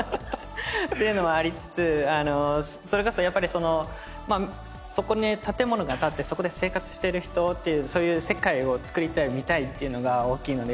っていうのはありつつそれこそやっぱりそこに建物が建ってそこで生活している人っていうそういう世界をつくりたい見たいっていうのが大きいので。